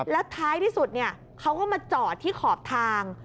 แล้วท้ายที่สุดเขาก็มาจอดที่ขอบทาง